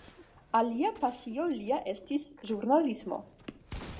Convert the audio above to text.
Alia pasio lia estis ĵurnalismo.